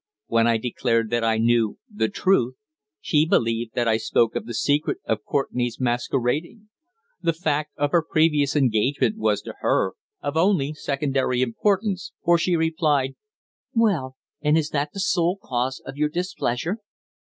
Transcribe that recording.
When I declared that I knew "the truth" she believed that I spoke of the secret of Courtenay's masquerading. The fact of her previous engagement was, to her, of only secondary importance, for she replied: "Well, and is that the sole cause of your displeasure?"